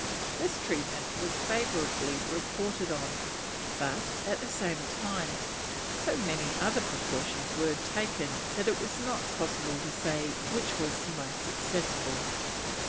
This treatment was favourably reported on, but, at the same time, so many other precautions were taken that it was not possible to say which was the most successful.